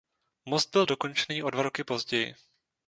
Most byl dokončený o dva roky později.